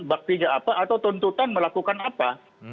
baktinya apa atau tuntutan melakukan apa